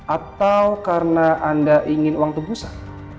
atau karena anda ingin uang tubuh besar